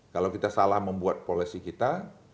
kalau kita salah membuat polisi kita